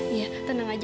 iya tenang aja